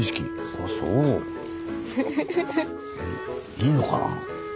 いいのかな。